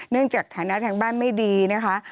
เนื่องจากฐานะแห่งบ้านไม่ดีนะคะ